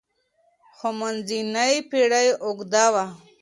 خو منځنۍ پېړۍ اوږده وه.